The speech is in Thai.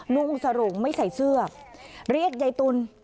นุ่งสโรงไม่ใส่เสื้อเรียกยายตุล